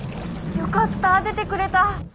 よかった！出てくれた！